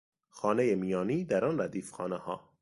خانهی میانی در آن ردیف خانهها